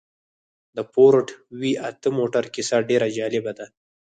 د فورډ وي اته موټر کيسه ډېره جالبه ده.